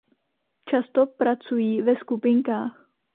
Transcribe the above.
Často pracují ve skupinkách.